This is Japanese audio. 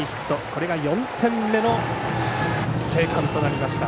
これが４点目の生還となりました。